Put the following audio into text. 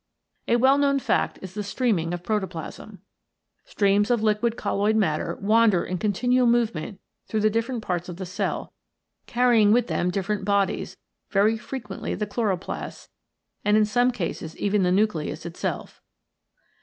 A well known fact is the streaming of protoplasm. Streams of liquid colloid matter wander in continual movement through the different parts of the cell, carrying with them different bodies, very frequently the chloroplasts, and in some cases even the nucleus itself.